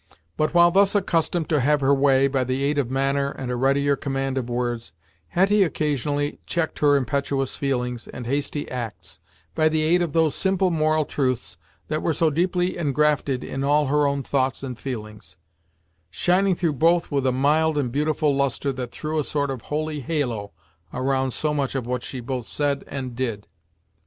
But, while thus accustomed to have her way, by the aid of manner and a readier command of words, Hetty occasionally checked her impetuous feelings and hasty acts by the aid of those simple moral truths that were so deeply engrafted in all her own thoughts and feelings; shining through both with a mild and beautiful lustre that threw a sort of holy halo around so much of what she both said and did.